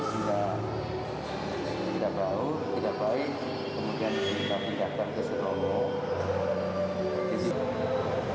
jika keadaan tidak baik kemudian kita tidak akan keseluruhan